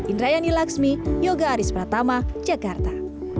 indrayani laksmi yoga aris pratama jakarta